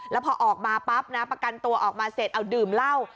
แล้วพอออกมาปั๊บนะประกันตัวออกมาเสร็จเอาดื่มเหล้า